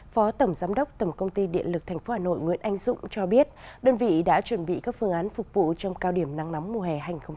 phó tổng giám đốc tổng công ty điện lực tp hà nội nguyễn anh dũng cho biết đơn vị đã chuẩn bị các phương án phục vụ trong cao điểm nắng nóng mùa hè hai nghìn hai mươi